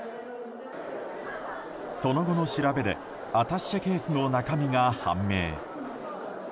その後の調べでアタッシェケースの中身が判明。